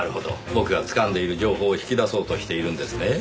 僕がつかんでいる情報を引き出そうとしているんですねぇ。